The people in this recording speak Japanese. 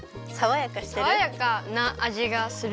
さわやかなあじがする。